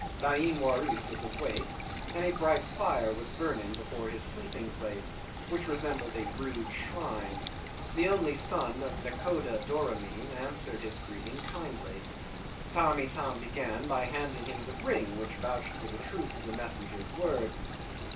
Dain Waris was awake, and a bright fire was burning before his sleeping place, which resembled a rude shrine. The only son of nakhoda Doramin answered his greeting kindly. Tamb' Itam began by handing him the ring which vouched for the truth of the messenger's words.